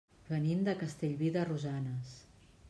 Venim de Castellví de Rosanes.